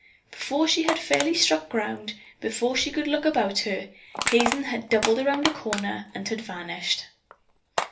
Before she had fairly struck ground, before she could look about her, Hazen had doubled around a corner and had vanished.